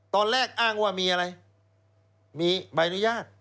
ตอนแรกอ้างว่ามีอะไรมีใบอนุญาต